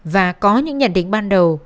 và có những nhận định ban đầu